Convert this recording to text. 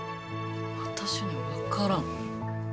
私には分からん。